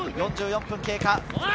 ４４分経過。